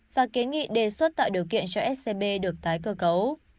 và kiến nghị đề xuất tạo điều kiện cho scb được tái cơ cấu